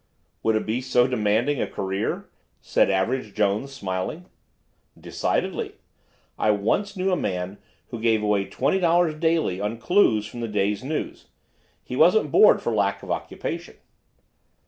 "Would it be so demanding a career?" said Average Jones, smiling. "Decidedly. I once knew a man who gave away twenty dollars daily on clues from the day's news. He wasn't bored for lack of occupation."